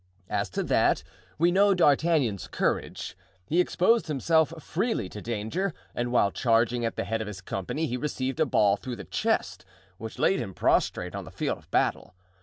As to that, we know D'Artagnan's courage; he exposed himself freely to danger and while charging at the head of his company he received a ball through the chest which laid him prostrate on the field of battle.